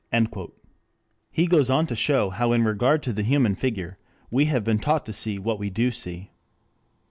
"] He goes on to show how in regard to the human figure we have been taught to see what we do see.